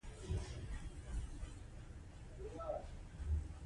اوړي د افغانستان د صادراتو برخه ده.